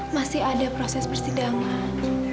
masih ada proses persidangan